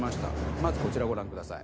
まずこちらご覧ください。